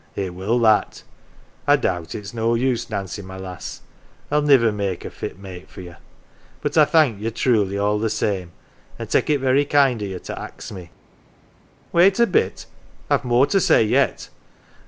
" It will that. I doubt it's no use, Nancy, my lass. I'll niver make a fit mate for ye. But I thank ye truly all the same, an' take it very kind o' ye to ax me." " Wait a bit, I've more to say yet.